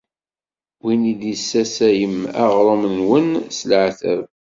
Win i d-tessasayem aɣrum-nwen s leɛtab.